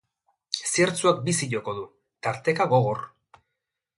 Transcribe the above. Ziertzoak bizi joko du, tarteka gogor.